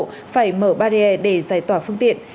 phải mở barrier để giải tỏa phương tiện